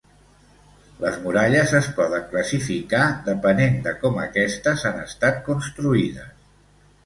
Les muralles es poden classificar depenent de com aquestes han estat construïdes.